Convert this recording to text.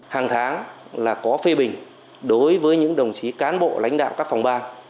hàng tháng là có phê bình đối với những đồng chí cán bộ lãnh đạo các phòng ban